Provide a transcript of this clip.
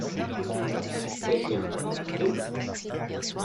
Eh bien, en route!